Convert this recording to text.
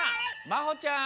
まほちゃん。